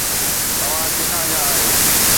توهان ڪٿان جا آهيو